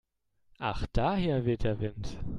Ach daher weht der Wind.